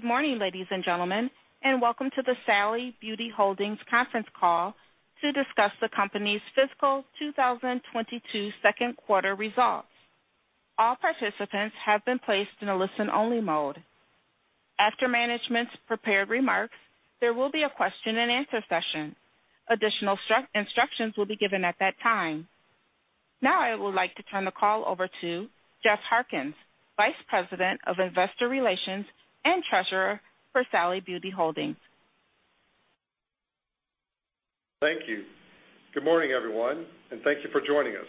Good morning, ladies and gentlemen, and welcome to the Sally Beauty Holdings conference call to discuss the company's fiscal 2022 Second Quarter Results. All participants have been placed in a listen-only mode. After management's prepared remarks, there will be a question-and-answer session. Additional instructions will be given at that time. Now I would like to turn the call over to Jeff Harkins, Vice President of Investor Relations and Treasurer for Sally Beauty Holdings. Thank you. Good morning, everyone, and thank you for joining us.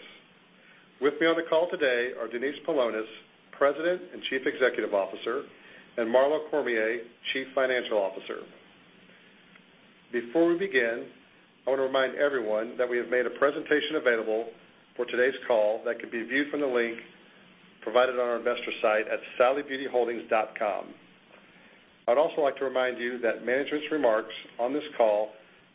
With me on the call today are Denise Paulonis, President and Chief Executive Officer, and Marlo Cormier, Chief Financial Officer. Before we begin, I want to remind everyone that we have made a presentation available for today's call that can be viewed from the link provided on our investor site at sallybeautyholdings.com. I'd also like to remind you that management's remarks on this call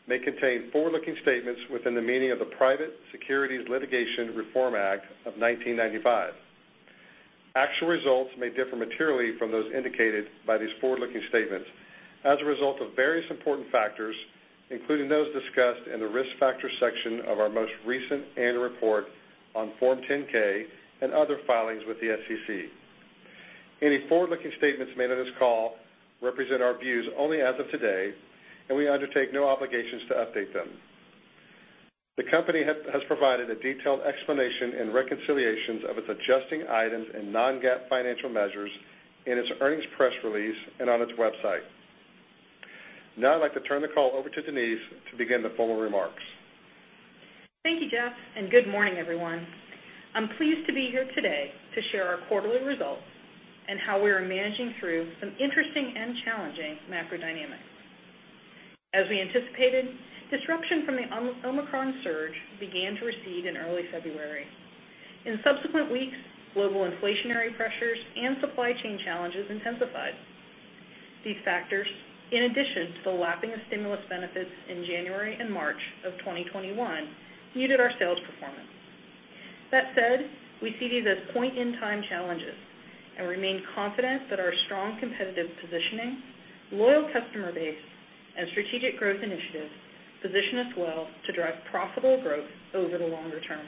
may contain forward-looking statements within the meaning of the Private Securities Litigation Reform Act of 1995. Actual results may differ materially from those indicated by these forward-looking statements as a result of various important factors, including those discussed in the risk factors section of our most recent annual report on Form 10-K and other filings with the SEC. Any forward-looking statements made on this call represent our views only as of today, and we undertake no obligations to update them. The company has provided a detailed explanation and reconciliations of its adjusting items and non-GAAP financial measures in its earnings press release and on its website. Now I'd like to turn the call over to Denise to begin the formal remarks. Thank you, Jeff, and good morning, everyone. I'm pleased to be here today to share our quarterly results and how we are managing through some interesting and challenging macro dynamics. As we anticipated, disruption from the Omicron surge began to recede in early February. In subsequent weeks, global inflationary pressures and supply chain challenges intensified. These factors, in addition to the lapping of stimulus benefits in January and March of 2021, muted our sales performance. That said, we see these as point-in-time challenges and remain confident that our strong competitive positioning, loyal customer base, and strategic growth initiatives position us well to drive profitable growth over the longer term.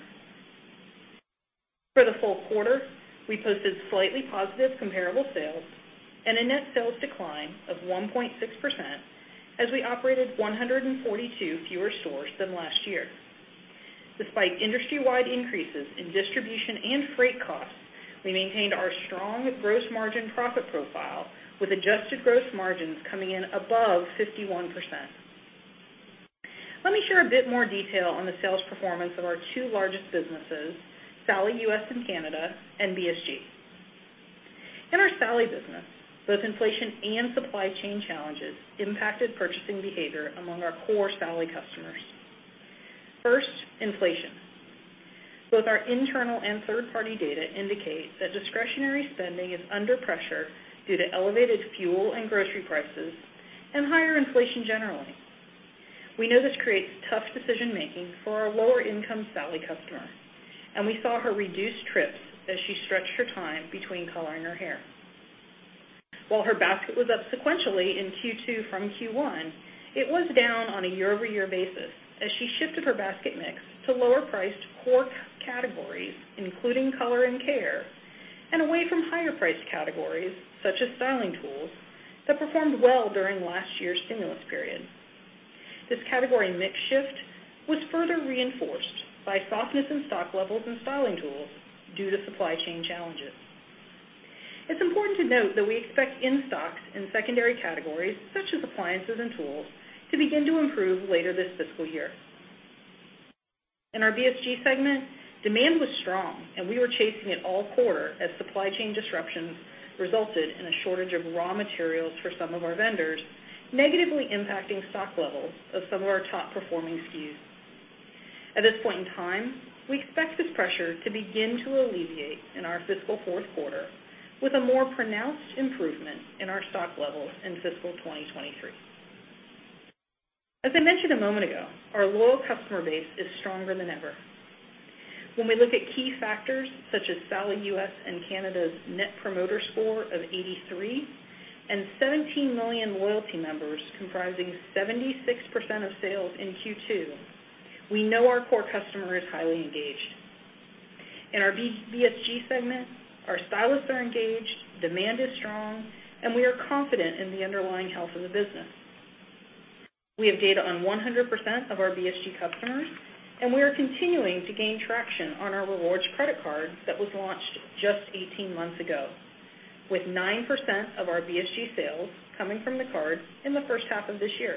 For the full quarter, we posted slightly positive comparable sales and a net sales decline of 1.6% as we operated 142 fewer stores than last year. Despite industry-wide increases in distribution and freight costs, we maintained our strong gross margin profit profile with adjusted gross margins coming in above 51%. Let me share a bit more detail on the sales performance of our two largest businesses, Sally U.S. and Canada and BSG. In our Sally business, both inflation and supply chain challenges impacted purchasing behavior among our core Sally customers. First, inflation. Both our internal and third-party data indicate that discretionary spending is under pressure due to elevated fuel and grocery prices and higher inflation generally. We know this creates tough decision-making for our lower income Sally customer, and we saw her reduce trips as she stretched her time between coloring her hair. While her basket was up sequentially in Q2 from Q1, it was down on a year-over-year basis as she shifted her basket mix to lower priced core categories, including color and care, and away from higher priced categories such as styling tools that performed well during last year's stimulus period. This category mix shift was further reinforced by softness in stock levels in styling tools due to supply chain challenges. It's important to note that we expect in-stocks in secondary categories such as appliances and tools to begin to improve later this fiscal year. In our BSG segment, demand was strong, and we were chasing it all quarter as supply chain disruptions resulted in a shortage of raw materials for some of our vendors, negatively impacting stock levels of some of our top performing SKUs. At this point in time, we expect this pressure to begin to alleviate in our fiscal fourth quarter with a more pronounced improvement in our stock levels in fiscal 2023. As I mentioned a moment ago, our loyal customer base is stronger than ever. When we look at key factors such as Sally U.S. and Canada's net promoter score of 83 and 17 million loyalty members comprising 76% of sales in Q2, we know our core customer is highly engaged. In our BSG segment, our stylists are engaged, demand is strong, and we are confident in the underlying health of the business. We have data on 100% of our BSG customers, and we are continuing to gain traction on our rewards credit card that was launched just 18 months ago, with 9% of our BSG sales coming from the card in the first half of this year.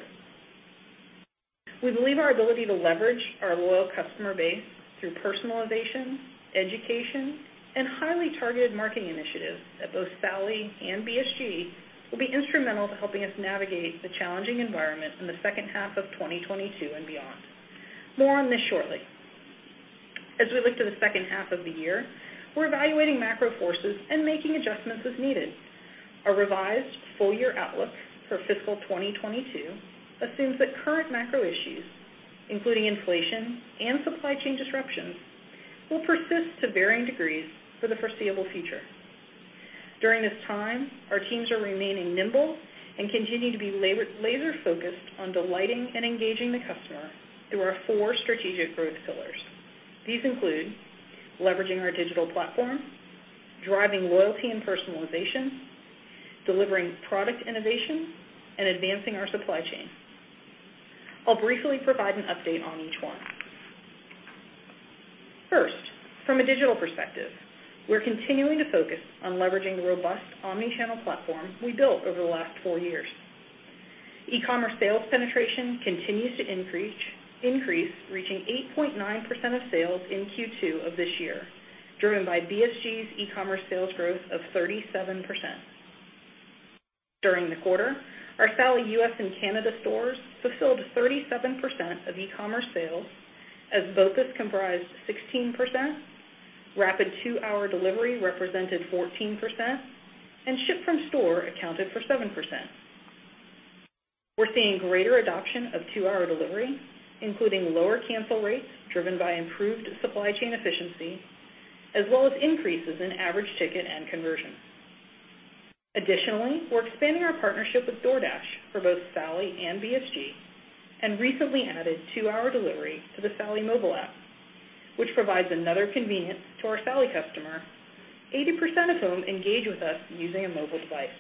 We believe our ability to leverage our loyal customer base through personalization, education, and highly targeted marketing initiatives at both Sally and BSG will be instrumental to helping us navigate the challenging environment in the second half of 2022 and beyond. More on this shortly. As we look to the second half of the year, we're evaluating macro forces and making adjustments as needed. A revised full year outlook for fiscal 2022 assumes that current macro issues, including inflation and supply chain disruptions will persist to varying degrees for the foreseeable future. During this time, our teams are remaining nimble and continue to be laser-focused on delighting and engaging the customer through our four strategic growth pillars. These include leveraging our digital platform, driving loyalty and personalization, delivering product innovation, and advancing our supply chain. I'll briefly provide an update on each one. First, from a digital perspective, we're continuing to focus on leveraging the robust omni-channel platform we built over the last four years. E-commerce sales penetration continues to increase, reaching 8.9% of sales in Q2 of this year, driven by BSG's e-commerce sales growth of 37%. During the quarter, our Sally U.S. and Canada stores fulfilled 37% of e-commerce sales, as BOPUS comprised 16%, rapid two-hour delivery represented 14%, and ship from store accounted for 7%. We're seeing greater adoption of two-hour delivery, including lower cancel rates driven by improved supply chain efficiency, as well as increases in average ticket and conversion. Additionally, we're expanding our partnership with DoorDash for both Sally and BSG, and recently added two-hour delivery to the Sally mobile app, which provides another convenience to our Sally customer, 80% of whom engage with us using a mobile device.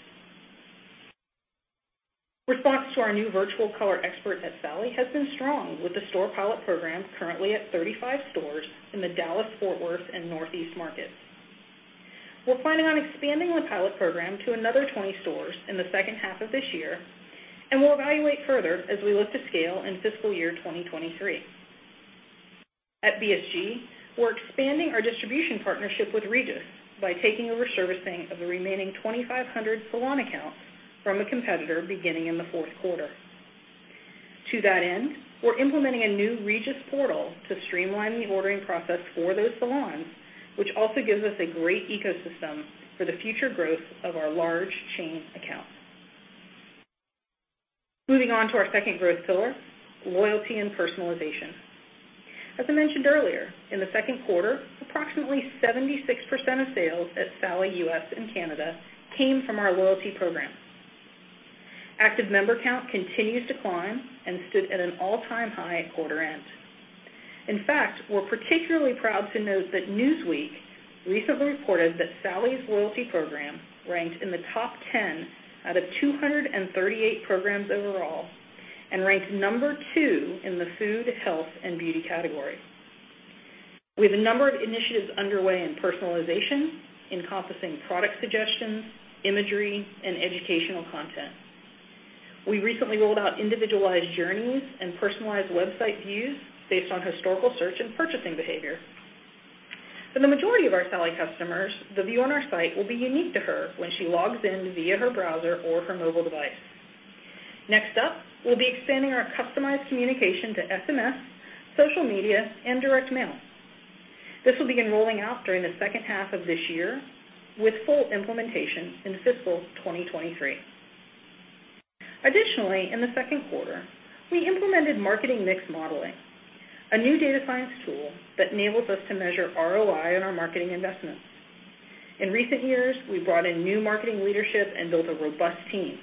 Response to our new virtual color expert at Sally has been strong with the store pilot program currently at 35 stores in the Dallas-Fort Worth and Northeast markets. We're planning on expanding the pilot program to another 20 stores in the second half of this year, and we'll evaluate further as we look to scale in fiscal year 2023. At BSG, we're expanding our distribution partnership with Regis by taking over servicing of the remaining 2,500 salon accounts from a competitor beginning in the fourth quarter. To that end, we're implementing a new Regis portal to streamline the ordering process for those salons, which also gives us a great ecosystem for the future growth of our large chain accounts. Moving on to our second growth pillar, loyalty and personalization. As I mentioned earlier, in the second quarter, approximately 76% of sales at Sally U.S. and Canada came from our loyalty program. Active member count continues to climb and stood at an all-time high at quarter end. In fact, we're particularly proud to note that Newsweek recently reported that Sally's loyalty program ranked in the top 10 out of 238 programs overall and ranked number two in the food, health, and beauty category. We have a number of initiatives underway in personalization, encompassing product suggestions, imagery, and educational content. We recently rolled out individualized journeys and personalized website views based on historical search and purchasing behavior. For the majority of our Sally customers, the view on our site will be unique to her when she logs in via her browser or her mobile device. Next up, we'll be expanding our customized communication to SMS, social media, and direct mail. This will begin rolling out during the second half of this year, with full implementation in fiscal 2023. Additionally, in the second quarter, we implemented marketing mix modeling, a new data science tool that enables us to measure ROI on our marketing investments. In recent years, we brought in new marketing leadership and built a robust team,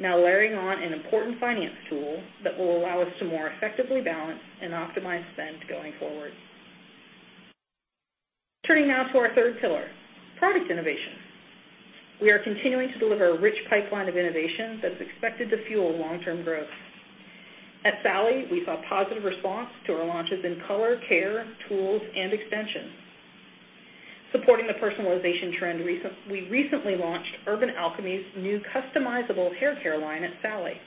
now layering on an important finance tool that will allow us to more effectively balance and optimize spend going forward. Turning now to our third pillar, product innovation. We are continuing to deliver a rich pipeline of innovation that is expected to fuel long-term growth. At Sally, we saw positive response to our launches in color, care, tools, and extensions. Supporting the personalization trend, we recently launched Urban Alchemy's new customizable hair care line at Sally.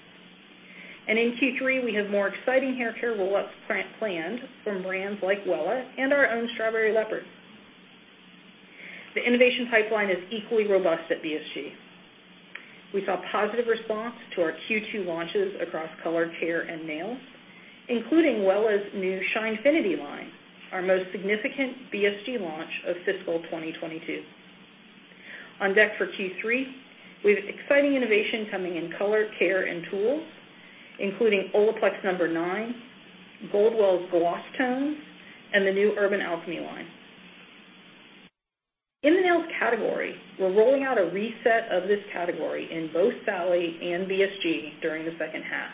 In Q3, we have more exciting hair care rollouts planned from brands like Wella and our own Strawberry Leopard. The innovation pipeline is equally robust at BSG. We saw positive response to our Q2 launches across color, care, and nails, including Wella's new Shinefinity line, our most significant BSG launch of fiscal 2022. On deck for Q3, we have exciting innovation coming in color, care, and tools, including Olaplex Number Nine, Goldwell's Gloss Tones, and the new Urban Alchemy line. In the nails category, we're rolling out a reset of this category in both Sally and BSG during the second half,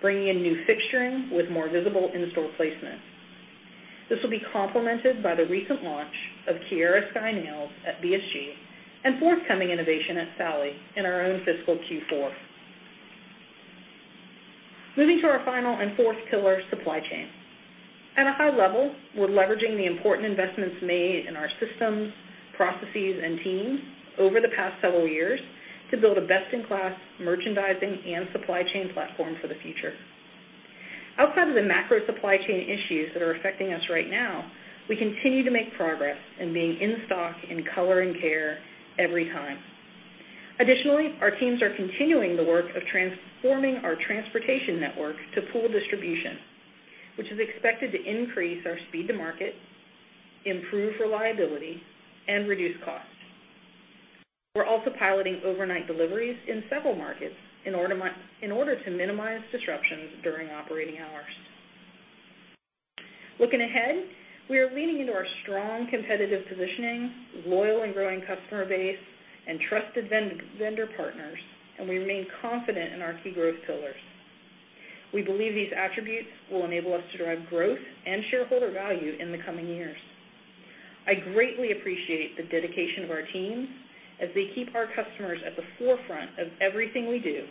bringing in new fixturing with more visible in-store placement. This will be complemented by the recent launch of Kiara Sky Nails at BSG and forthcoming innovation at Sally in our own fiscal Q4. Moving to our final and fourth pillar, supply chain. At a high level, we're leveraging the important investments made in our systems, processes, and teams over the past several years to build a best-in-class merchandising and supply chain platform for the future. Outside of the macro supply chain issues that are affecting us right now, we continue to make progress in being in stock in color and care every time. Additionally, our teams are continuing the work of transforming our transportation network to pool distribution, which is expected to increase our speed to market, improve reliability, and reduce costs. We're also piloting overnight deliveries in several markets in order to minimize disruptions during operating hours. Looking ahead, we are leaning into our strong competitive positioning, loyal and growing customer base, and trusted vendor partners, and we remain confident in our key growth pillars. We believe these attributes will enable us to drive growth and shareholder value in the coming years. I greatly appreciate the dedication of our teams as they keep our customers at the forefront of everything we do,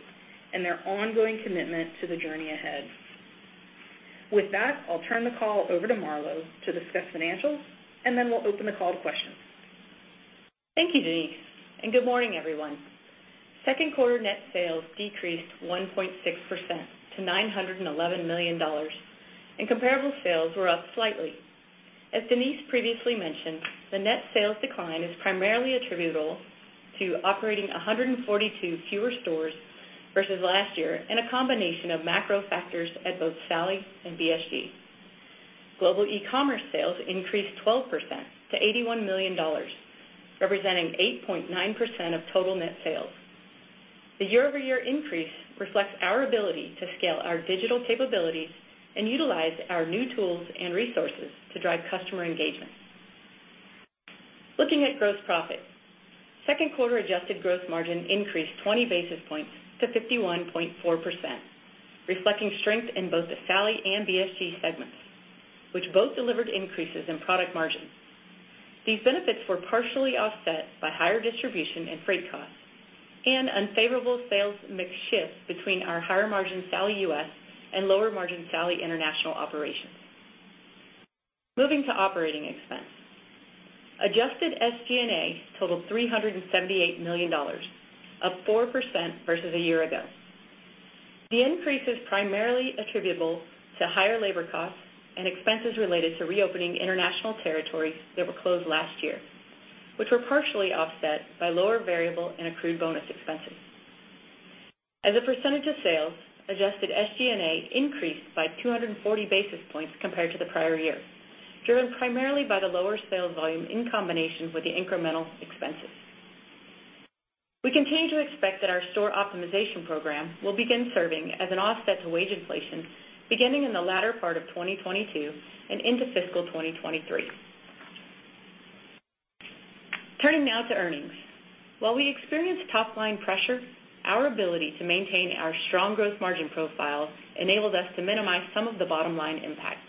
and their ongoing commitment to the journey ahead. With that, I'll turn the call over to Marlo to discuss financials, and then we'll open the call to questions. Thank you, Denise, and good morning, everyone. Second quarter net sales decreased 1.6% to $911 million, and comparable sales were up slightly. As Denise previously mentioned, the net sales decline is primarily attributable to operating 142 fewer stores versus last year and a combination of macro factors at both Sally and BSG. Global e-commerce sales increased 12% to $81 million, representing 8.9% of total net sales. The year-over-year increase reflects our ability to scale our digital capabilities and utilize our new tools and resources to drive customer engagement. Looking at gross profit, second quarter adjusted gross margin increased 20 basis points to 51.4%, reflecting strength in both the Sally and BSG segments, which both delivered increases in product margins. These benefits were partially offset by higher distribution and freight costs and unfavorable sales mix shift between our higher margin Sally U.S. and lower margin Sally International operations. Moving to operating expense. Adjusted SG&A totaled $378 million, up 4% versus a year ago. The increase is primarily attributable to higher labor costs and expenses related to reopening international territories that were closed last year, which were partially offset by lower variable and accrued bonus expenses. As a percentage of sales, adjusted SG&A increased by 240 basis points compared to the prior year, driven primarily by the lower sales volume in combination with the incremental expenses. We continue to expect that our store optimization program will begin serving as an offset to wage inflation beginning in the latter part of 2022 and into fiscal 2023. Turning now to earnings. While we experienced top line pressure, our ability to maintain our strong growth margin profile enabled us to minimize some of the bottom line impacts.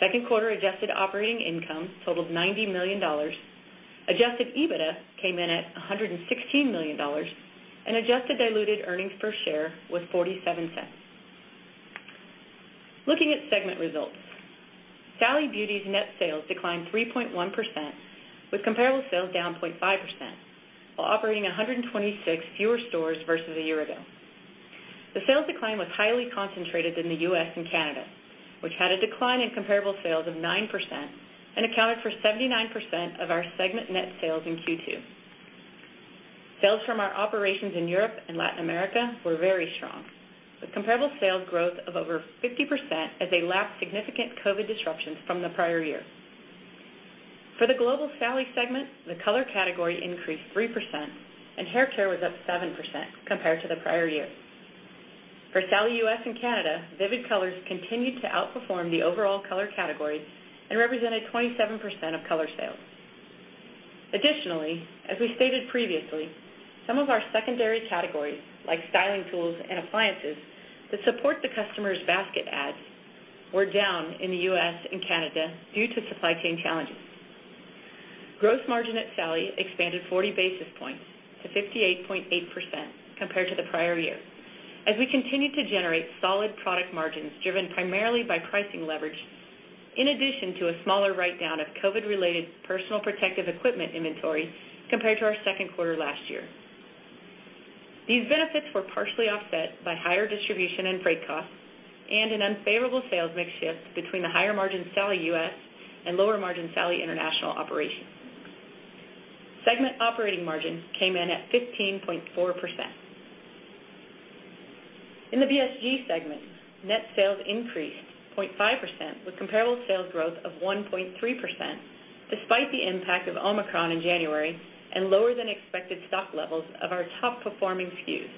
Second quarter adjusted operating income totaled $90 million. Adjusted EBITDA came in at $116 million, and adjusted diluted earnings per share was $0.47. Looking at segment results. Sally Beauty's net sales declined 3.1%, with comparable sales down 0.5%, while operating 126 fewer stores versus a year ago. The sales decline was highly concentrated in the US and Canada, which had a decline in comparable sales of 9% and accounted for 79% of our segment net sales in Q2. Sales from our operations in Europe and Latin America were very strong, with comparable sales growth of over 50% as they lapped significant COVID disruptions from the prior year. For the global Sally segment, the color category increased 3%, and hair care was up 7% compared to the prior year. For Sally U.S. And Canada, vivid colors continued to outperform the overall color category and represented 27% of color sales. Additionally, as we stated previously, some of our secondary categories, like styling tools and appliances, that support the customer's basket adds were down in the U.S. And Canada due to supply chain challenges. Gross margin at Sally expanded 40 basis points to 58.8% compared to the prior year as we continued to generate solid product margins driven primarily by pricing leverage in addition to a smaller writedown of COVID-related personal protective equipment inventory compared to our second quarter last year. These benefits were partially offset by higher distribution and freight costs and an unfavorable sales mix shift between the higher margin Sally U.S. and lower margin Sally International operations. Segment operating margins came in at 15.4%. In the BSG segment, net sales increased 0.5% with comparable sales growth of 1.3%, despite the impact of Omicron in January and lower than expected stock levels of our top performing SKUs.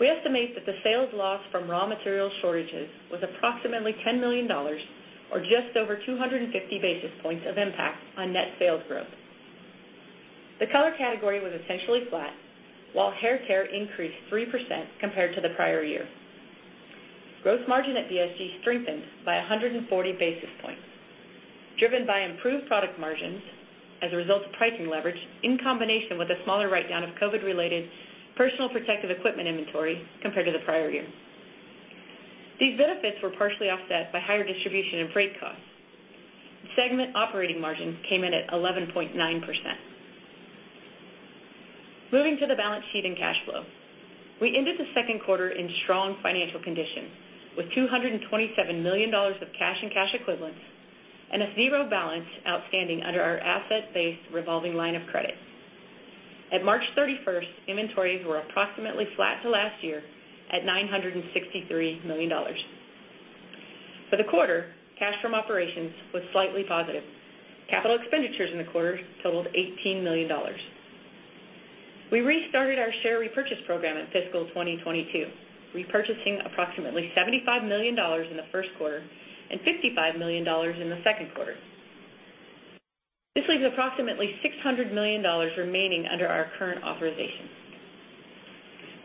We estimate that the sales loss from raw material shortages was approximately $10 million or just over 250 basis points of impact on net sales growth. The color category was essentially flat, while hair care increased 3% compared to the prior year. Gross margin at BSG strengthened by 140 basis points, driven by improved product margins as a result of pricing leverage in combination with a smaller writedown of COVID-related personal protective equipment inventory compared to the prior year. These benefits were partially offset by higher distribution and freight costs. Segment operating margins came in at 11.9%. Moving to the balance sheet and cash flow. We ended the second quarter in strong financial condition, with $227 million of cash and cash equivalents and a $0 balance outstanding under our asset-based revolving line of credit. At March 31, inventories were approximately flat to last year at $963 million. For the quarter, cash from operations was slightly positive. Capital expenditures in the quarter totaled $18 million. We restarted our share repurchase program in fiscal 2022, repurchasing approximately $75 million in the first quarter and $55 million in the second quarter. This leaves approximately $600 million remaining under our current authorization.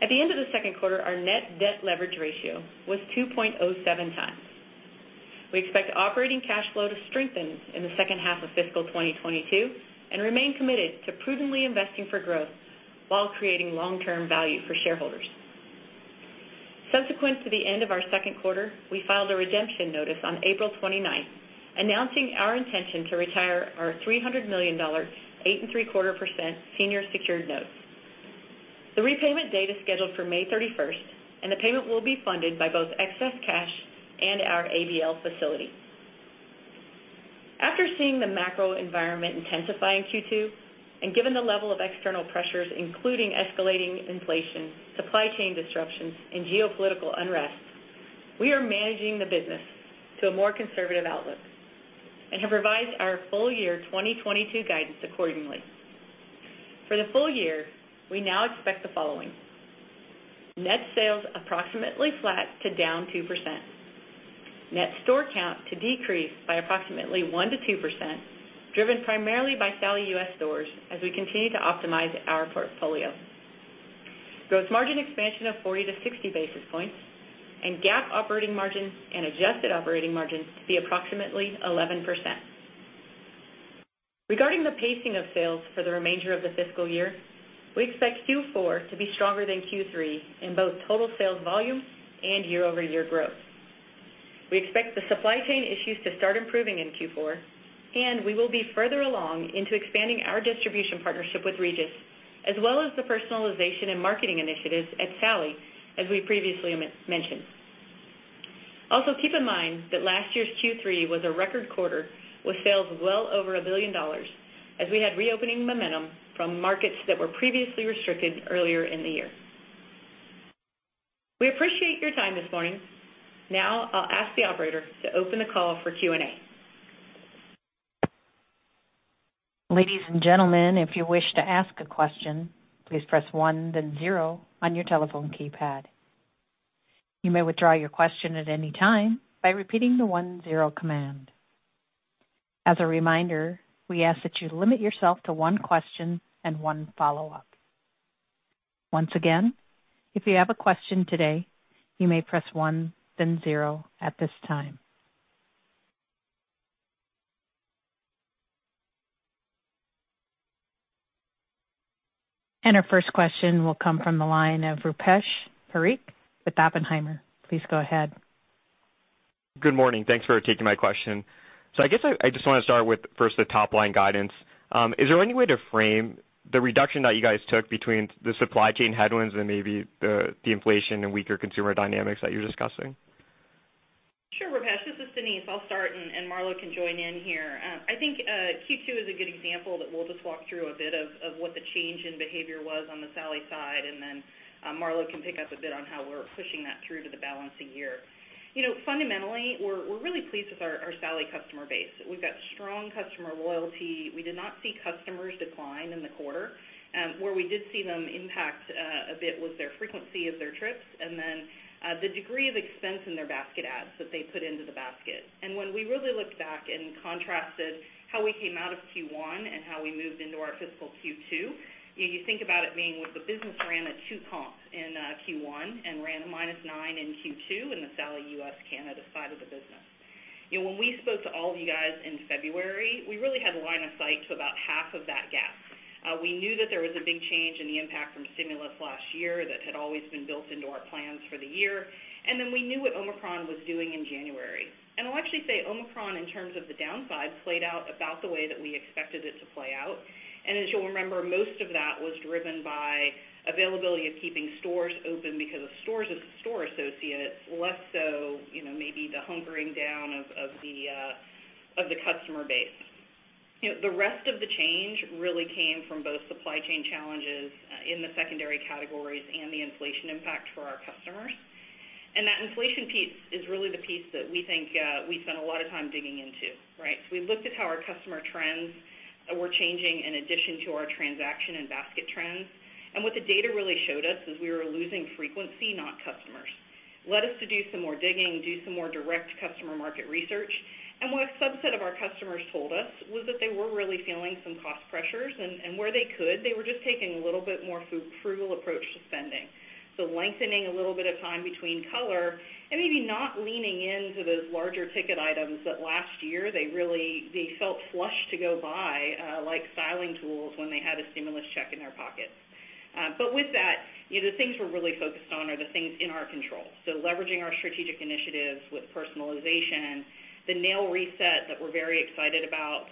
At the end of the second quarter, our net debt leverage ratio was 2.07 times. We expect operating cash flow to strengthen in the second half of fiscal 2022 and remain committed to prudently investing for growth while creating long-term value for shareholders. Subsequent to the end of our second quarter, we filed a redemption notice on April twenty-ninth, announcing our intention to retire our $300 million 8.75% senior secured notes. The repayment date is scheduled for May thirty-first, and the payment will be funded by both excess cash and our ABL facility. After seeing the macro environment intensify in Q2 and given the level of external pressures, including escalating inflation, supply chain disruptions, and geopolitical unrest, we are managing the business to a more conservative outlook and have revised our full year 2022 guidance accordingly. For the full year, we now expect the following. Net sales approximately flat to down 2%. Net store count to decrease by approximately 1%-2%, driven primarily by Sally U.S. stores as we continue to optimize our portfolio. Gross margin expansion of 40-60 basis points and GAAP operating margins and adjusted operating margins to be approximately 11%. Regarding the pacing of sales for the remainder of the fiscal year, we expect Q4 to be stronger than Q3 in both total sales volume and year-over-year growth. We expect the supply chain issues to start improving in Q4, and we will be further along into expanding our distribution partnership with Regis, as well as the personalization and marketing initiatives at Sally, as we previously mentioned. Also, keep in mind that last year's Q3 was a record quarter with sales well over $1 billion as we had reopening momentum from markets that were previously restricted earlier in the year. We appreciate your time this morning. Now I'll ask the operator to open the call for Q&A. Ladies and gentlemen, if you wish to ask a question, please press one then zero on your telephone keypad. You may withdraw your question at any time by repeating the one zero command. As a reminder, we ask that you limit yourself to one question and one follow-up. Once again, if you have a question today, you may press one then zero at this time. Our first question will come from the line of Rupesh Parikh with Oppenheimer. Please go ahead. Good morning. Thanks for taking my question. I guess I just want to start with first the top-line guidance. Is there any way to frame the reduction that you guys took between the supply chain headwinds and maybe the inflation and weaker consumer dynamics that you're discussing? Sure, Rupesh. This is Denise. I'll start, and Marlo can join in here. I think Q2 is a good example that we'll just walk through a bit of what the change in behavior was on the Sally side, and then Marlo can pick up a bit on how we're pushing that through to the balance of the year. You know, fundamentally, we're really pleased with our Sally customer base. We've got strong customer loyalty. We did not see customers decline in the quarter. Where we did see an impact a bit was their frequency of their trips and then the degree of expense in their basket adds that they put into the basket. When we really looked back and contrasted how we came out of Q1 and how we moved into our fiscal Q2, you think about how the business ran at 2 comps in Q1 and ran -9 in Q2 in the Sally U.S. and Canada side of the business. You know, when we spoke to all of you guys in February, we really had line of sight to about half of that gap. We knew that there was a big change in the impact from stimulus last year that had always been built into our plans for the year. Then we knew what Omicron was doing in January. I'll actually say Omicron, in terms of the downside, played out about the way that we expected it to play out. As you'll remember, most of that was driven by availability of keeping stores open because of stores and store associates, less so, you know, maybe the hunkering down of the customer base. You know, the rest of the change really came from both supply chain challenges in the secondary categories and the inflation impact for our customers. That inflation piece is really the piece that we think we spent a lot of time digging into, right? We looked at how our customer trends were changing in addition to our transaction and basket trends. What the data really showed us is we were losing frequency, not customers. Led us to do some more digging, do some more direct customer market research. What a subset of our customers told us was that they were really feeling some cost pressures, and where they could, they were just taking a little bit more frugal approach to spending. Lengthening a little bit of time between color and maybe not leaning into those larger ticket items that last year they really felt flushed to go buy, like styling tools when they had a stimulus check in their pockets. But with that, you know, the things we're really focused on are the things in our control. Leveraging our strategic initiatives with personalization, the nail reset that we're very excited about,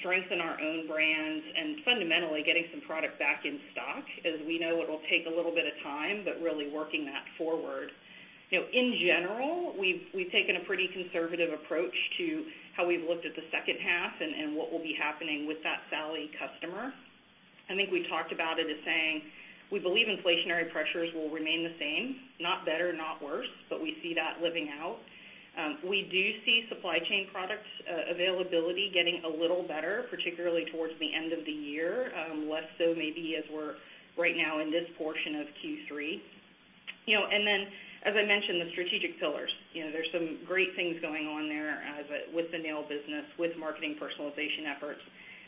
strengthen our own brands, and fundamentally getting some product back in stock, as we know it'll take a little bit of time, but really working that forward. You know, in general, we've taken a pretty conservative approach to how we've looked at the second half and what will be happening with that Sally customer. I think we talked about it as saying we believe inflationary pressures will remain the same, not better, not worse, but we see that living out. We do see supply chain products availability getting a little better, particularly towards the end of the year, less so maybe as we're right now in this portion of Q3. You know, and then as I mentioned, the strategic pillars, you know, there's some great things going on there with the nail business, with marketing personalization efforts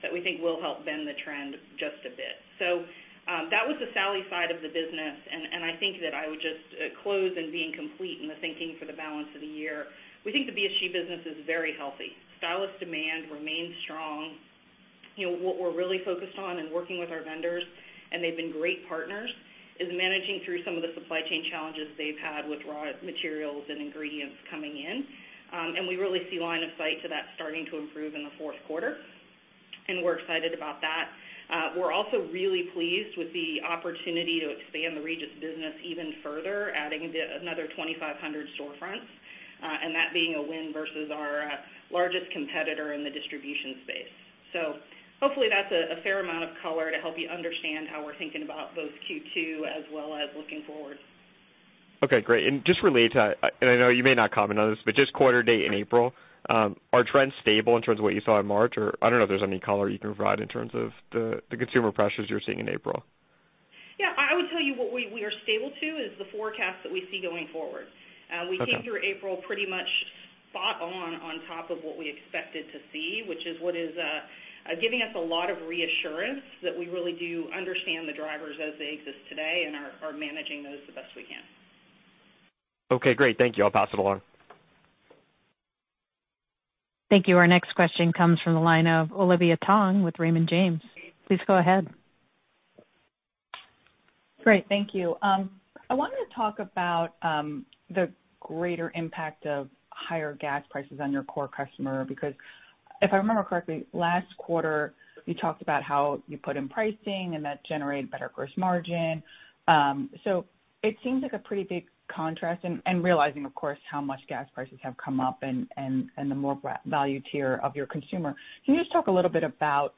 that we think will help bend the trend just a bit. That was the Sally side of the business. And I think that I would just close in being complete in the thinking for the balance of the year. We think the BSG business is very healthy. Stylist demand remains strong. You know, what we're really focused on in working with our vendors, and they've been great partners, is managing through some of the supply chain challenges they've had with raw materials and ingredients coming in. We really see line of sight to that starting to improve in the fourth quarter, and we're excited about that. We're also really pleased with the opportunity to expand the Regis business even further, adding another 2,500 storefronts, and that being a win versus our largest competitor in the distribution space. Hopefully that's a fair amount of color to help you understand how we're thinking about both Q2 as well as looking forward. Okay, great. Just related to that, and I know you may not comment on this, but just quarter-to-date in April, are trends stable in terms of what you saw in March? Or I don't know if there's any color you can provide in terms of the consumer pressures you're seeing in April. Yeah. I would tell you what we are sticking to is the forecast that we see going forward. Okay. We came through April pretty much spot on top of what we expected to see, which is what is giving us a lot of reassurance that we really do understand the drivers as they exist today and are managing those the best we can. Okay, great. Thank you. I'll pass it along. Thank you. Our next question comes from the line of Olivia Tong with Raymond James. Please go ahead. Great. Thank you. I wanted to talk about the greater impact of higher gas prices on your core customer, because if I remember correctly, last quarter you talked about how you put in pricing and that generated better gross margin. It seems like a pretty big contrast and realizing of course how much gas prices have come up and the lower-value tier of your consumer. Can you just talk a little bit about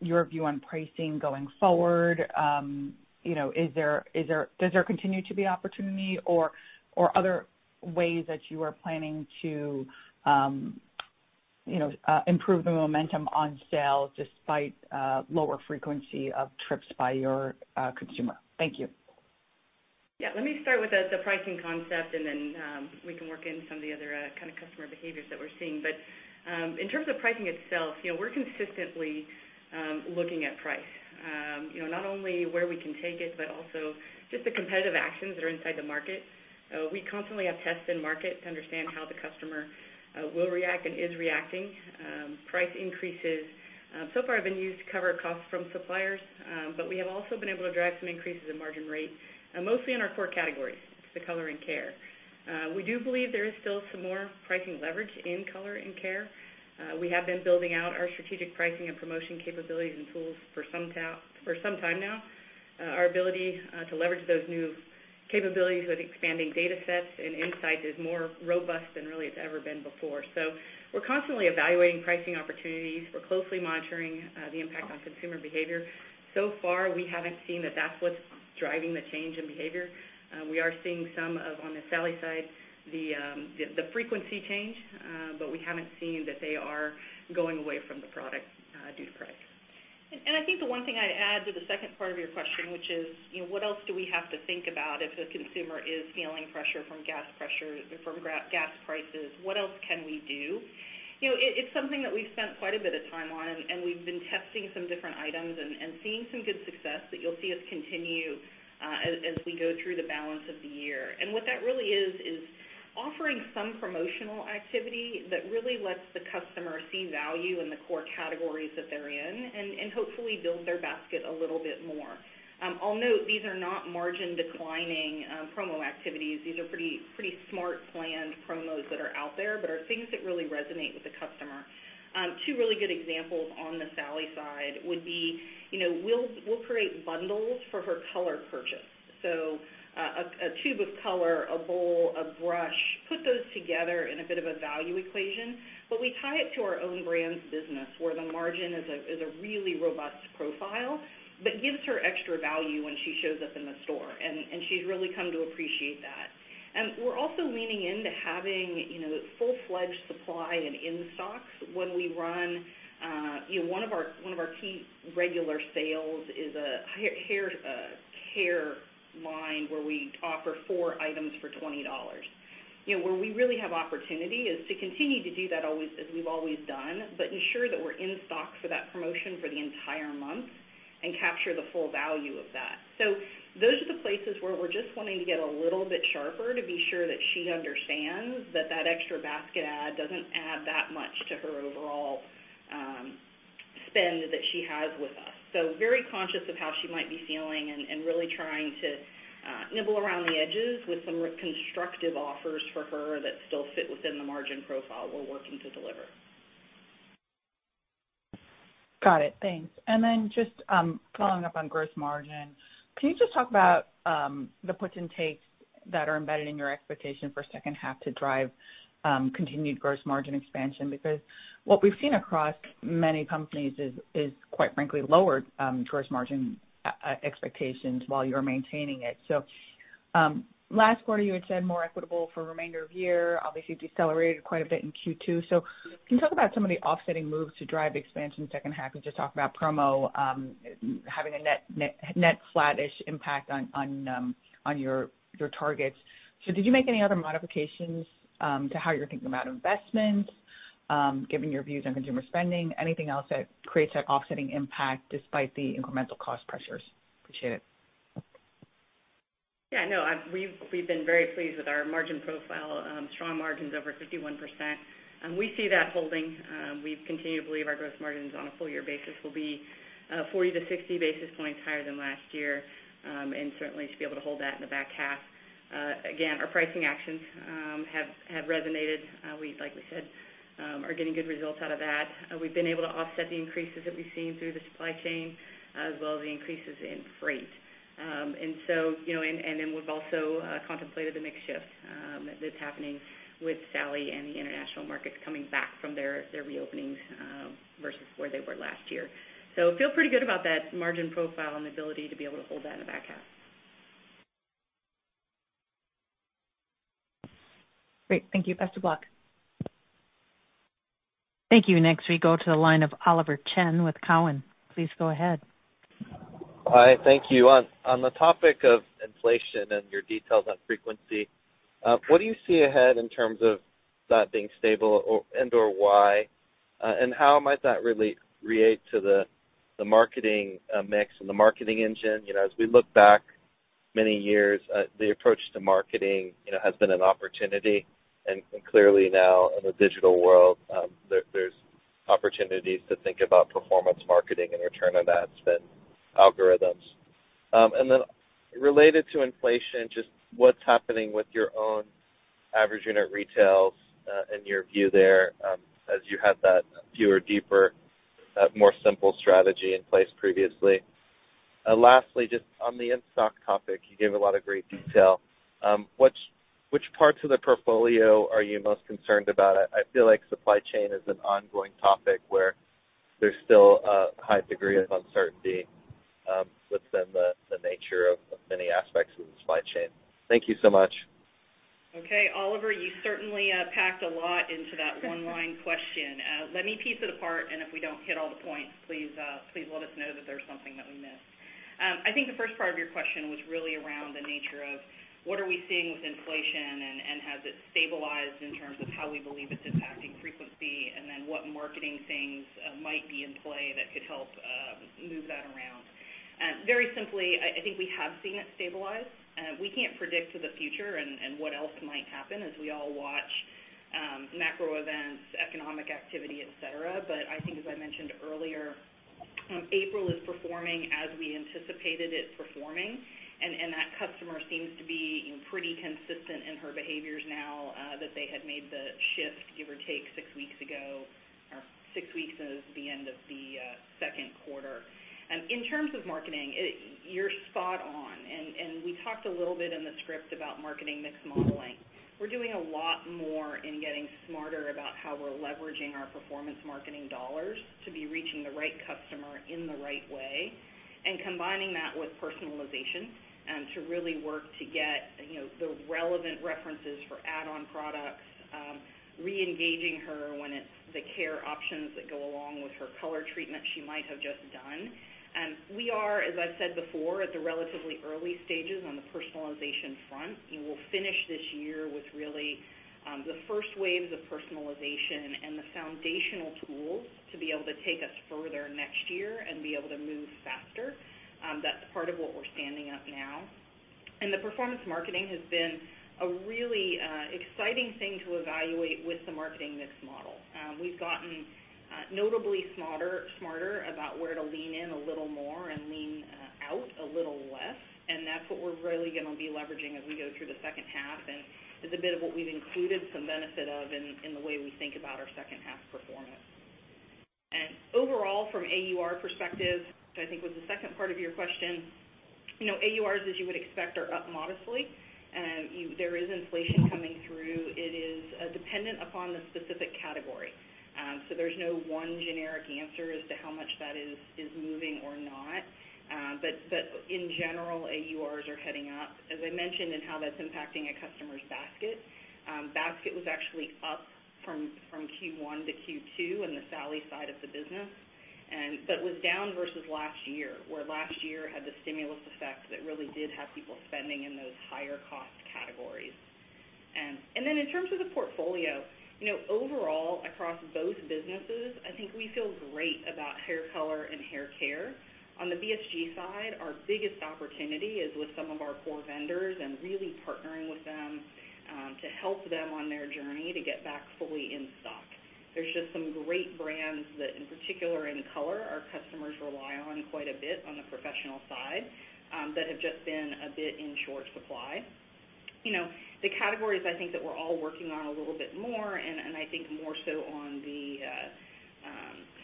your view on pricing going forward? You know, does there continue to be opportunity or other ways that you are planning to, you know, improve the momentum on sales despite lower frequency of trips by your consumer? Thank you. Yeah. Let me start with the pricing concept, and then, we can work in some of the other, kinda customer behaviors that we're seeing. In terms of pricing itself, you know, we're consistently looking at price. You know, not only where we can take it, but also just the competitive actions that are inside the market. We constantly have tests in market to understand how the customer will react and is reacting. Price increases so far have been used to cover costs from suppliers, but we have also been able to drive some increases in margin rate, mostly in our core categories, the color and care. We do believe there is still some more pricing leverage in color and care. We have been building out our strategic pricing and promotion capabilities and tools for some time now. Our ability to leverage those new capabilities with expanding data sets and insights is more robust than really it's ever been before. We're constantly evaluating pricing opportunities. We're closely monitoring the impact on consumer behavior. So far, we haven't seen that that's what's driving the change in behavior. We are seeing some of, on the Sally side, the frequency change, but we haven't seen that they are going away from the product due to price. I think the one thing I'd add to the second part of your question, which is, you know, what else do we have to think about if the consumer is feeling pressure from gas prices or from gas prices, what else can we do? You know, it's something that we've spent quite a bit of time on and we've been testing some different items and seeing some good success that you'll see us continue as we go through the balance of the year. What that really is offering some promotional activity that really lets the customer see value in the core categories that they're in and hopefully build their basket a little bit more. I'll note, these are not margin declining promo activities. These are pretty smart planned promos that are out there but are things that really resonate with the customer. Two really good examples on the Sally side would be, you know, we'll create bundles for her color purchase. A tube of color, a bowl, a brush, put those together in a bit of a value equation. We tie it to our own brands business, where the margin is a really robust profile but gives her extra value when she shows up in the store. She's really come to appreciate that. We're also leaning into having, you know, full-fledged supply and in-stocks when we run, you know, one of our key regular sales is a hair line where we offer four items for $20. You know, where we really have opportunity is to continue to do that always, as we've always done, but ensure that we're in stock for that promotion for the entire month and capture the full value of that. Those are the places where we're just wanting to get a little bit sharper to be sure that she understands that that extra basket add doesn't add that much to her overall spend that she has with us. Very conscious of how she might be feeling and really trying to nibble around the edges with some reconstructive offers for her that still fit within the margin profile we're working to deliver. Got it. Thanks. Just following up on gross margin, can you just talk about the puts and takes that are embedded in your expectation for second half to drive continued gross margin expansion. Because what we've seen across many companies is quite frankly lower gross margin expectations while you're maintaining it. Last quarter, you had said more equitable for remainder of year, obviously decelerated quite a bit in Q2. Can you talk about some of the offsetting moves to drive expansion second half? You just talked about promo having a net flattish impact on your targets. Did you make any other modifications to how you're thinking about investment given your views on consumer spending? Anything else that creates that offsetting impact despite the incremental cost pressures? Appreciate it. Yeah, no, we've been very pleased with our margin profile, strong margins over 51%. We see that holding. We continue to believe our gross margins on a full year basis will be 40-60 basis points higher than last year, and certainly should be able to hold that in the back half. Again, our pricing actions have resonated. We, like we said, are getting good results out of that. We've been able to offset the increases that we've seen through the supply chain as well as the increases in freight. So, you know, and then we've also contemplated a mix shift that's happening with Sally and the international markets coming back from their reopenings versus where they were last year. Feel pretty good about that margin profile and the ability to be able to hold that in the back half. Great. Thank you. Best of luck. Thank you. Next, we go to the line of Oliver Chen with Cowen. Please go ahead. Hi. Thank you. On the topic of inflation and your details on frequency, what do you see ahead in terms of that being stable or and/or why? And how might that relate to the marketing mix and the marketing engine? You know, as we look back many years, the approach to marketing, you know, has been an opportunity. Clearly now in the digital world, there's opportunities to think about performance marketing and return on ad spend algorithms. And then related to inflation, just what's happening with your own average unit retail, and your view there, as you have that fewer, deeper, more simple strategy in place previously. Lastly, just on the in-stock topic, you gave a lot of great detail. Which parts of the portfolio are you most concerned about? I feel like supply chain is an ongoing topic where there's still a high degree of uncertainty within the nature of many aspects of the supply chain. Thank you so much. Okay. Oliver, you certainly packed a lot into that one-line question. Let me piece it apart, and if we don't hit all the points, please let us know that there's something that we missed. I think the first part of your question was really around the nature of what are we seeing with inflation and has it stabilized in terms of how we believe it's impacting frequency, and then what marketing things might be in play that could help move that around. Very simply, I think we have seen it stabilize. We can't predict into the future and what else might happen as we all watch macro events, economic activity, et cetera. I think as I mentioned earlier, April is performing as we anticipated it performing, and that customer seems to be, you know, pretty consistent in her behaviors now, that they had made the shift, give or take six weeks ago, or six weeks is the end of the second quarter. In terms of marketing, you're spot on. We talked a little bit in the script about marketing mix modeling. We're doing a lot more in getting smarter about how we're leveraging our performance marketing dollars to be reaching the right customer in the right way and combining that with personalization, to really work to get, you know, the relevant references for add-on products, re-engaging her when it's the care options that go along with her color treatment she might have just done. We are, as I've said before, at the relatively early stages on the personalization front. We will finish this year with really, the first waves of personalization and the foundational tools to be able to take us further next year and be able to move faster. That's part of what we're standing up now. The performance marketing has been a really, exciting thing to evaluate with the marketing mix model. We've gotten notably smarter about where to lean in a little more and lean out a little less, and that's what we're really gonna be leveraging as we go through the second half, and is a bit of what we've included some benefit of in the way we think about our second half performance. Overall, from AUR perspective, which I think was the second part of your question, AURs, as you would expect, are up modestly. There is inflation coming through. It is dependent upon the specific category. So there's no one generic answer as to how much that is moving or not. But in general, AURs are heading up. As I mentioned in how that's impacting a customer's basket was actually up from Q1 to Q2 in the Sally side of the business but was down versus last year, where last year had the stimulus effect that really did have people spending in those higher cost categories. Then in terms of the portfolio, overall, across both businesses, I think we feel great about hair color and hair care. On the BSG side, our biggest opportunity is with some of our core vendors and really partnering with them to help them on their journey to get back fully in stock. There's just some great brands that, in particular in color, our customers rely on quite a bit on the professional side, that have just been a bit in short supply. You know, the categories I think that we're all working on a little bit more, and I think more so on the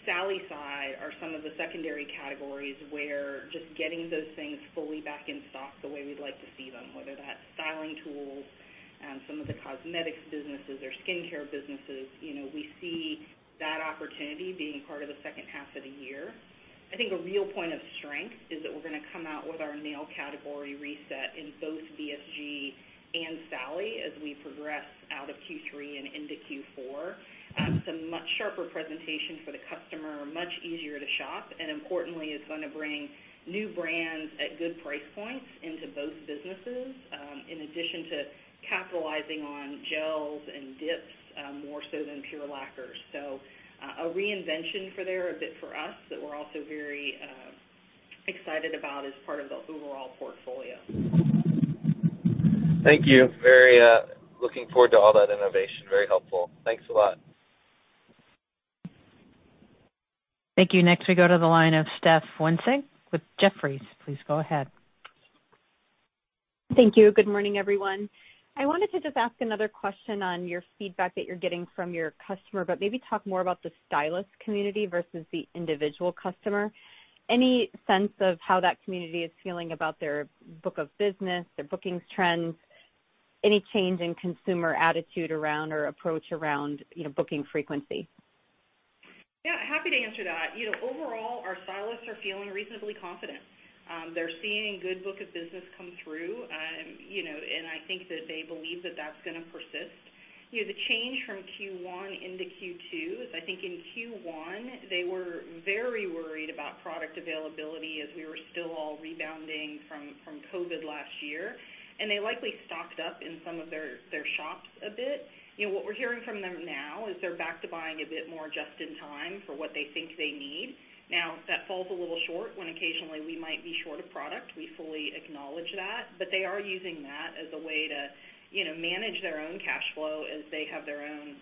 Sally side are some of the secondary categories where just getting those things fully back in stock the way we'd like to see them, whether that's styling tools, some of the cosmetics businesses or skincare businesses. You know, we see that opportunity being part of the second half of the year. I think a real point of strength is that we're gonna come out with our nail category reset in both BSG and Sally as we progress out of Q3 and into Q4. It's a much sharper presentation for the customer, much easier to shop, and importantly, it's gonna bring new brands at good price points into both businesses, in addition to capitalizing on gels and dips, more so than pure lacquers. A reinvention for there, a bit for us that we're also very excited about as part of the overall portfolio. Thank you. Very, looking forward to all that innovation. Very helpful. Thanks a lot. Thank you. Next, we go to the line of Steph Wissink with Jefferies. Please go ahead. Thank you. Good morning, everyone. I wanted to just ask another question on your feedback that you're getting from your customer, but maybe talk more about the stylist community versus the individual customer. Any sense of how that community is feeling about their book of business, their bookings trends? Any change in consumer attitude around or approach around, you know, booking frequency? Yeah, happy to answer that. You know, overall, our stylists are feeling reasonably confident. They're seeing good book of business come through, you know, and I think that they believe that that's gonna persist. You know, the change from Q1 into Q2 is, I think, in Q1, they were very worried about product availability as we were still all rebounding from COVID last year. They likely stocked up in some of their shops a bit. You know, what we're hearing from them now is they're back to buying a bit more just in time for what they think they need. Now, that falls a little short when occasionally we might be short of product. We fully acknowledge that. They are using that as a way to, you know, manage their own cash flow as they have their own,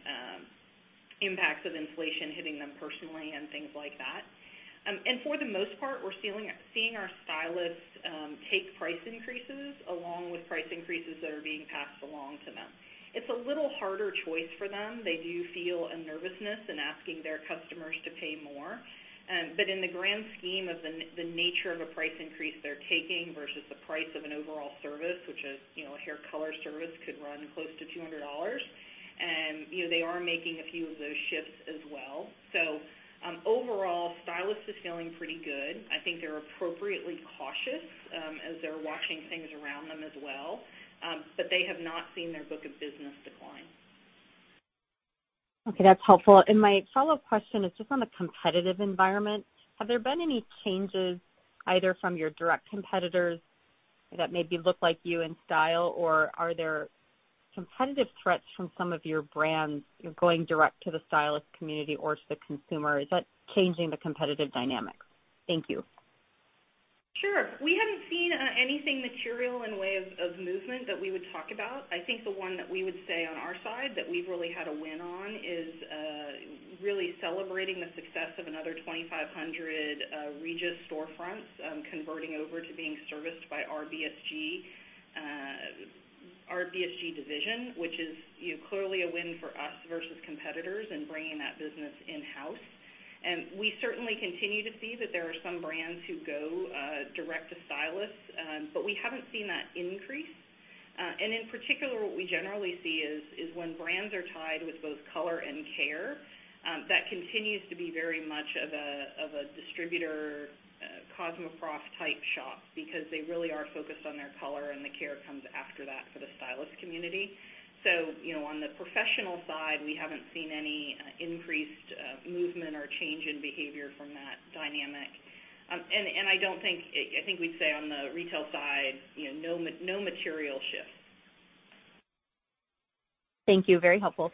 impacts of inflation hitting them personally and things like that. For the most part, we're seeing our stylists, take price increases along with price increases that are being passed along to them. It's a little harder choice for them. They do feel a nervousness in asking their customers to pay more. In the grand scheme of the nature of a price increase they're taking versus the price of an overall service, which is, you know, a hair color service could run close to $200. You know, they are making a few of those shifts as well. Overall, stylists are feeling pretty good. I think they're appropriately cautious, as they're watching things around them as well. They have not seen their book of business decline. Okay, that's helpful. My follow-up question is just on the competitive environment. Have there been any changes either from your direct competitors that maybe look like you in style, or are there competitive threats from some of your brands, you know, going direct to the stylist community or to the consumer? Is that changing the competitive dynamics? Thank you. Sure. We haven't seen anything material in the way of movement that we would talk about. I think the one that we would say on our side that we've really had a win on is really celebrating the success of another 2,500 Regis storefronts converting over to being serviced by our BSG division, which is, you know, clearly a win for us versus competitors in bringing that business in-house. We certainly continue to see that there are some brands who go direct to stylists, but we haven't seen that increase. In particular, what we generally see is when brands are tied with both color and care, that continues to be very much of a distributor, CosmoProf-type shop because they really are focused on their color, and the care comes after that for the stylist community. You know, on the professional side, we haven't seen any increased movement or change in behavior from that dynamic. I think we'd say on the retail side, you know, no material shift. Thank you. Very helpful.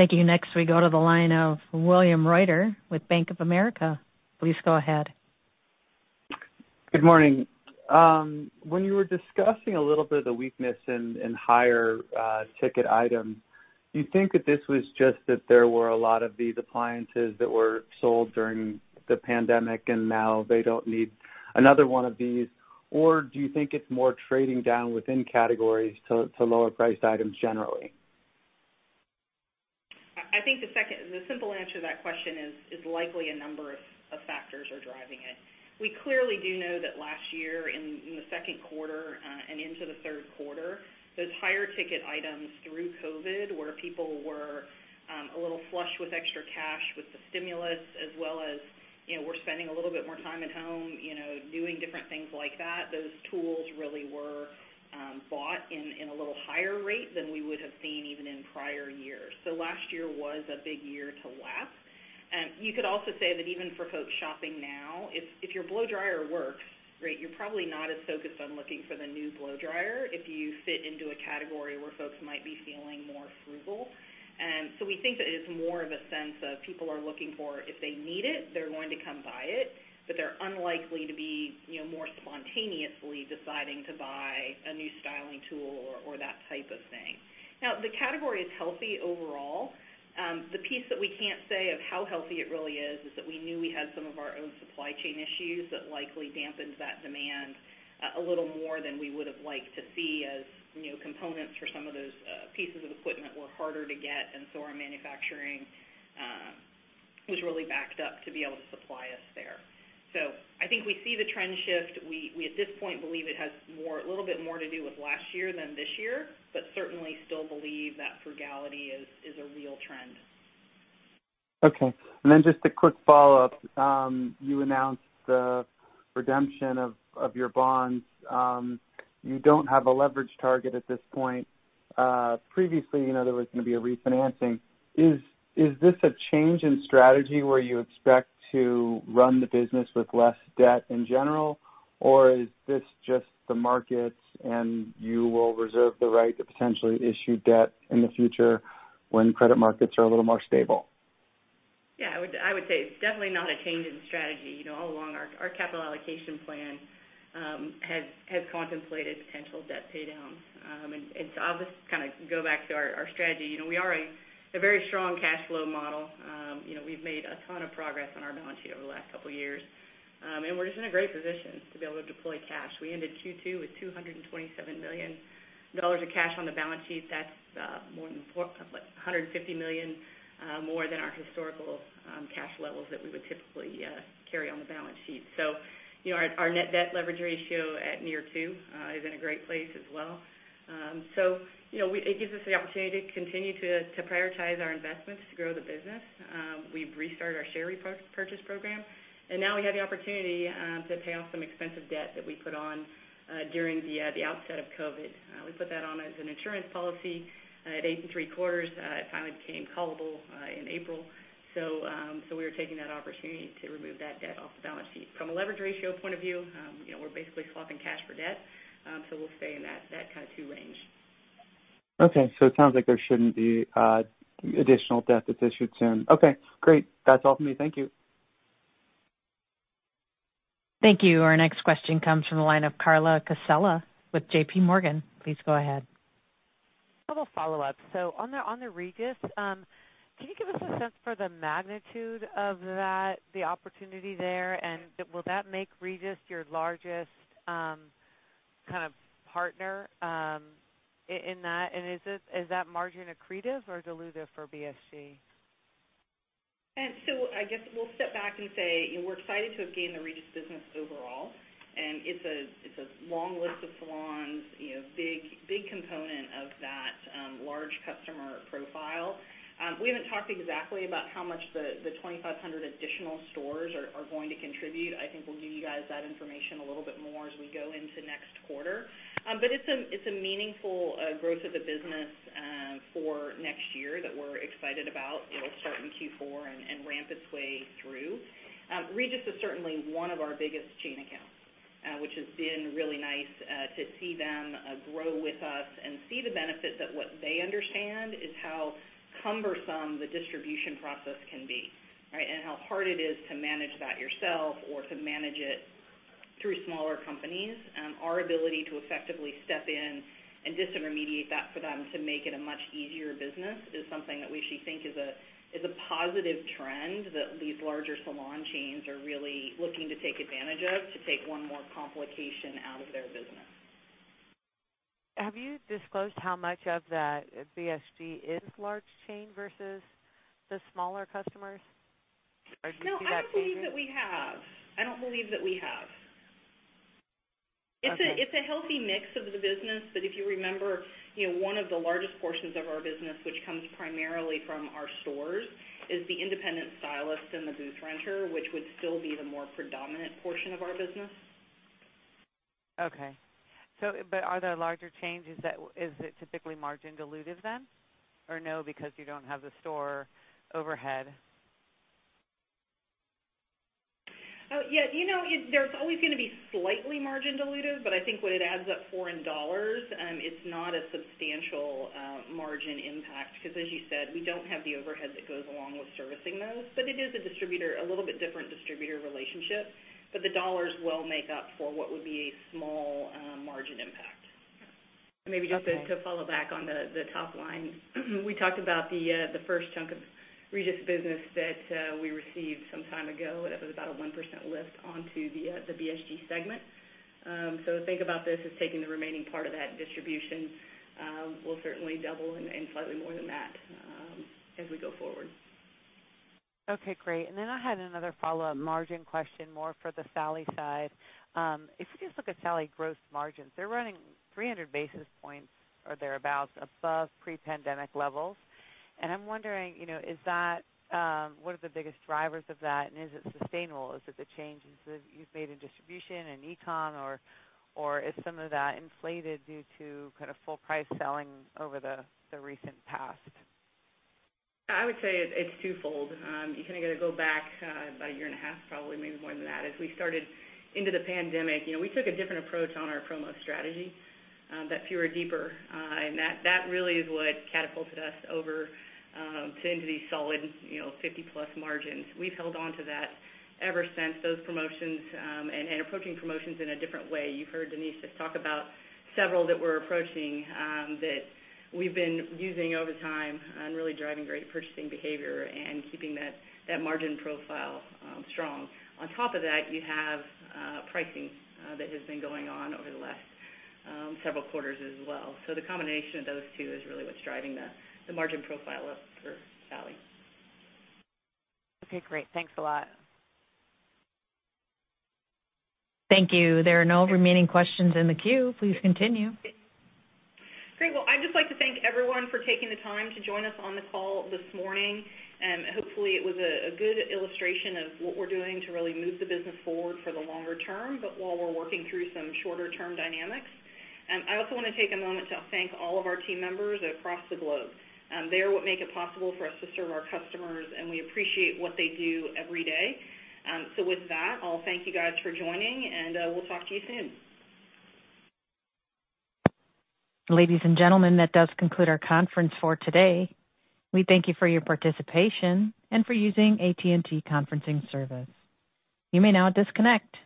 Thank you. Next, we go to the line of William Reuter with Bank of America. Please go ahead. Good morning. When you were discussing a little bit of the weakness in higher ticket items, do you think that this was just that there were a lot of these appliances that were sold during the pandemic, and now they don't need another one of these, or do you think it's more trading down within categories to lower priced items generally? I think the simple answer to that question is likely a number of factors are driving it. We clearly do know that last year in the second quarter and into the third quarter, those higher ticket items through COVID, where people were a little flush with extra cash with the stimulus, as well as, you know, were spending a little bit more time at home, you know, doing different things like that, those tools really were bought in a little higher rate than we would have seen even in prior years. So last year was a big year to lap. You could also say that even for folks shopping now, if your blow dryer works, right, you're probably not as focused on looking for the new blow dryer if you fit into a category where folks might be feeling more frugal. So we think that it's more of a sense of people are looking for if they need it, they're going to come buy it, but they're unlikely to be, you know, more spontaneously deciding to buy a new styling tool or that type of thing. Now, the category is healthy overall. The piece that we can't say how healthy it really is that we knew we had some of our own supply chain issues that likely dampened that demand a little more than we would've liked to see, as you know, components for some of those pieces of equipment were harder to get, and so our manufacturing was really backed up to be able to supply us there. I think we see the trend shift. We at this point believe it has a little bit more to do with last year than this year, but certainly still believe that frugality is a real trend. Okay. Just a quick follow-up. You announced the redemption of your bonds. You don't have a leverage target at this point. Previously, you know, there was gonna be a refinancing. Is this a change in strategy where you expect to run the business with less debt in general? Or is this just the markets, and you will reserve the right to potentially issue debt in the future when credit markets are a little more stable? Yeah, I would say it's definitely not a change in strategy. You know, all along our capital allocation plan has contemplated potential debt paydowns. I'll just kinda go back to our strategy. You know, we are a very strong cash flow model. You know, we've made a ton of progress on our balance sheet over the last couple years. We're just in a great position to be able to deploy cash. We ended Q2 with $227 million of cash on the balance sheet. That's more than $450 million more than our historical cash levels that we would typically carry on the balance sheet. You know, our net debt leverage ratio at near 2 is in a great place as well. You know, it gives us the opportunity to continue to prioritize our investments to grow the business. We've restarted our share purchase program, and now we have the opportunity to pay off some expensive debt that we put on during the outset of COVID. We put that on as an insurance policy at 8.75. It finally became callable in April, so we're taking that opportunity to remove that debt off the balance sheet. From a leverage ratio point of view, you know, we're basically swapping cash for debt, so we'll stay in that kind of 2 range. Okay, it sounds like there shouldn't be additional debt that's issued soon. Okay, great. That's all for me. Thank you. Thank you. Our next question comes from the line of Carla Casella with J.P. Morgan. Please go ahead. A little follow-up. On the Regis, can you give us a sense for the magnitude of that, the opportunity there, and will that make Regis your largest kind of partner in that? Is that margin accretive or dilutive for BSG? I guess we'll step back and say we're excited to have gained the Regis business overall, and it's a long list of salons, you know, big, big component of that, large customer profile. We haven't talked exactly about how much the 2,500 additional stores are going to contribute. I think we'll give you guys that information a little bit more as we go into next quarter. But it's a meaningful growth of the business for next year that we're excited about. It'll start in Q4 and ramp its way through. Regis is certainly one of our biggest chain accounts, which has been really nice to see them grow with us and see the benefit that what they understand is how cumbersome the distribution process can be. How hard it is to manage that yourself or to manage it through smaller companies. Our ability to effectively step in and disintermediate that for them to make it a much easier business is something that we actually think is a positive trend, that these larger salon chains are really looking to take advantage of to take one more complication out of their business. Have you disclosed how much of that BSG is large chain versus the smaller customers? Or do you see that? No, I don't believe that we have. Okay. It's a healthy mix of the business, but if you remember, you know, one of the largest portions of our business, which comes primarily from our stores, is the independent stylist and the booth renter, which would still be the more predominant portion of our business. Okay. Is it typically margin dilutive then? Or no, because you don't have the store overhead? Yeah, you know, there's always gonna be slightly margin dilutive, but I think what it adds up for in dollars, it's not a substantial margin impact because as you said, we don't have the overhead that goes along with servicing those. It is a distributor, a little bit different distributor relationship, but the dollars will make up for what would be a small margin impact. Okay. Maybe just to follow back on the top line. We talked about the first chunk of Regis business that we received some time ago. That was about a 1% lift onto the BSG segment. Think about this as taking the remaining part of that distribution, will certainly double and slightly more than that, as we go forward. Okay, great. I had another follow-up margin question, more for the Sally side. If you just look at Sally gross margins, they're running 300 basis points or thereabouts above pre-pandemic levels, and I'm wondering, you know, is that what are the biggest drivers of that, and is it sustainable? Is it the changes that you've made in distribution and e-commerce or is some of that inflated due to kind of full price selling over the recent past? I would say it's twofold. You kinda gotta go back about a year and a half, probably maybe more than that. As we started into the pandemic, you know, we took a different approach on our promo strategy, that fewer, deeper, and that really is what catapulted us over to into these solid, you know, 50%+ margins. We've held onto that ever since. Those promotions and approaching promotions in a different way. You've heard Denise just talk about several that we're approaching, that we've been using over time on really driving great purchasing behavior and keeping that margin profile strong. On top of that, you have pricing that has been going on over the last several quarters as well. The combination of those two is really what's driving the margin profile up for Sally. Okay, great. Thanks a lot. Thank you. There are no remaining questions in the queue. Please continue. Great. Well, I'd just like to thank everyone for taking the time to join us on the call this morning, and hopefully it was a good illustration of what we're doing to really move the business forward for the longer term, but while we're working through some shorter term dynamics. I also wanna take a moment to thank all of our team members across the globe. They're what make it possible for us to serve our customers, and we appreciate what they do every day. With that, I'll thank you guys for joining, and we'll talk to you soon. Ladies and gentlemen, that does conclude our conference for today. We thank you for your participation and for using AT&T Conferencing Service. You may now disconnect.